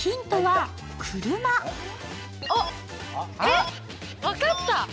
あっ、分かった。